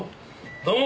どうも。